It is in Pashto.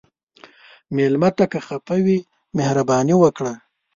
مېلمه ته که خفه وي، مهرباني وکړه.